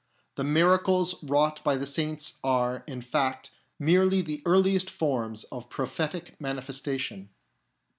The miracles wrought by the saints are, in fact, merely the earliest forms of prophetic manifestation.